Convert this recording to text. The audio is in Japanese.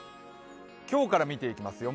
今日から見ていきますよ。